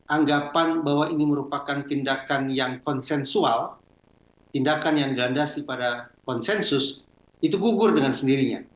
anggapan bahwa ini merupakan tindakan yang konsensual tindakan yang dilandasi pada konsensus itu gugur dengan sendirinya